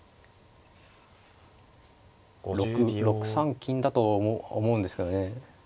６三金だと思うんですけどね。